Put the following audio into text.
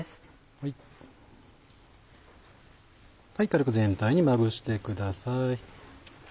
軽く全体にまぶしてください。